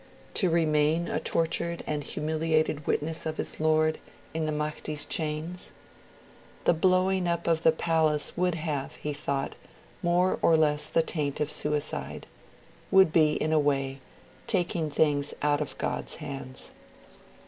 to remain a tortured and humiliated witness of his Lord in the Mahdi's chains? The blowing up of the palace would have, he thought, 'more or less the taint of suicide', would be, in a way, taking things out of God's hands'.